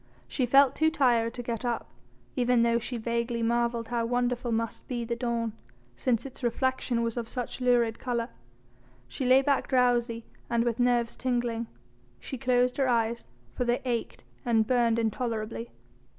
She felt too tired to get up, even though she vaguely marvelled how wonderful must be the dawn, since its reflection was of such lurid colour. She lay back drowsy and with nerves tingling; she closed her eyes for they ached and burned intolerably.